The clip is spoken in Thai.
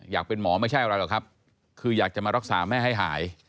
อยากเป็นหมอไม่ใช่อะไรหรอกครับคืออยากจะมารักษาแม่ให้หาย